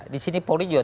di sini polisi juga